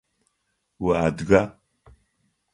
Уадыга?